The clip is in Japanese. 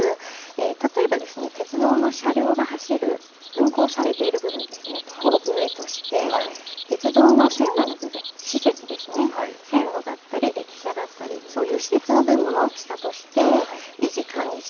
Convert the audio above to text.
こちらに出ている、例えば鉄道の車両が走る、運行されている部分ですね、を上として、鉄道の線路の部分、施設ですね、線路だったり駅舎だったり、そういう施設の部分を下として維持、管理し